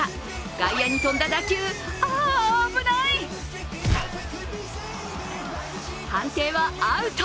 外野に飛んだ打球あっ、危ない判定はアウト。